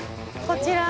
こちら。